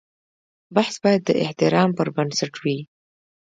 بحث باید د احترام پر بنسټ وي.